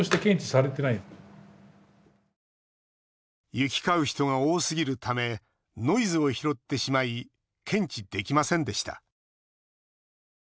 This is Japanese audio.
行き交う人が多すぎるためノイズを拾ってしまい検知できませんでした。